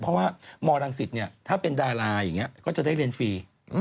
เพราะว่ามรังสิตเนี่ยถ้าเป็นดาราอย่างนี้ก็จะได้เรียนฟรี